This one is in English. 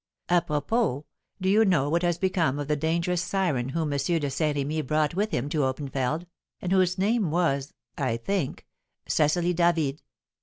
Apropos, do you know what has become of the dangerous siren whom M. de Saint Remy brought with him to Oppenfeld, and whose name was, I think, Cecily David?